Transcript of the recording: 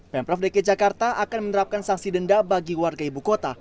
pemprov dki jakarta akan menerapkan sanksi denda bagi warga ibu kota